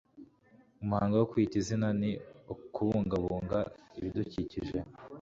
Umuhango wo Kwita Izina ni “Kubungabunga ibidukikije